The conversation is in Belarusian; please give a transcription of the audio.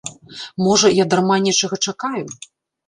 Можа, я дарма нечага чакаю.